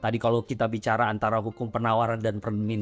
tadi kalau kita bicara antara hukum penawaran dan peminatnya itu sih